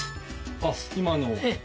あっ今のを？